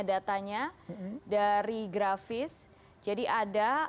datanya dari grafis jadi ada